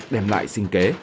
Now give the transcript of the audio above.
đem lại sinh kế